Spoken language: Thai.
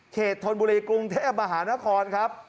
ธนบุรีกรุงเทพมหานครครับ